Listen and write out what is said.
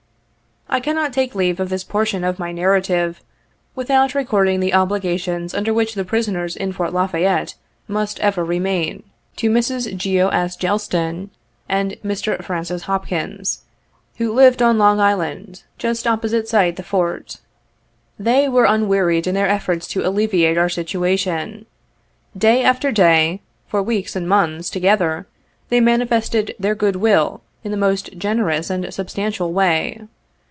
I cannot take leave of this portion of my narrative without recording the obligations under which the prisoners in Fort La Fayette must ever remain, to Mrs. Geo. S. Gelston and Mr. Francis Hopkins, who lived on Long Island just oppo 46 site the Fort. They were unwearied in their efforts to alle viate our situation. Day after day, for weeks and months together, they manifested their good will in the most gener ous and substantial way.